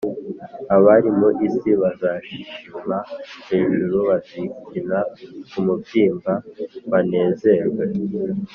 Abari mu isi bazazīshima hejuru bazikina ku mubyimba banezerwe,